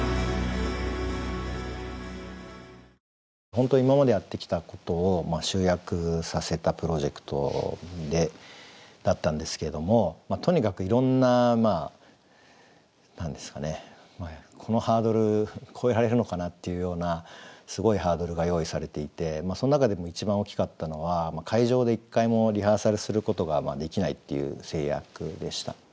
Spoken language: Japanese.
本当今までやってきたことを集約させたプロジェクトだったんですけれどもとにかくいろんな何ですかねこのハードル越えられるのかなっていうようなすごいハードルが用意されていてその中でも一番大きかったのは会場で一回もリハーサルすることができないっていう制約でした。